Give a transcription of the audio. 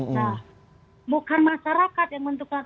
nah bukan masyarakat yang menentukan